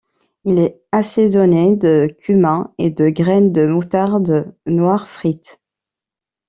Il est assaisonné de cumin et de graines de moutarde noire frites.